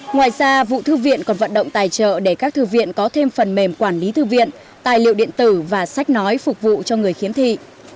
ngoài ra vụ thư viện còn vận động tài trợ để các thư viện có thêm phần mềm quản lý thư viện tài liệu điện tử và sách nói phục vụ cho người khiếm thị